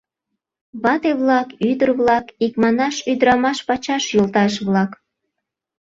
Вате-влак, ӱдыр-влак, икманаш, ӱдырамаш пачаш йолташ-влак!